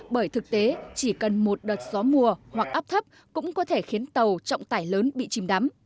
bởi thực tế chỉ cần một đợt gió mùa hoặc áp thấp cũng có thể khiến tàu trọng tải lớn bị chìm đắm